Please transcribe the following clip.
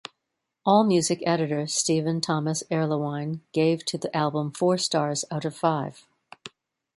Allmusic editor Stephen Thomas Erlewine gave to the album four stars out of five.